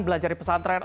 belajar di pesantren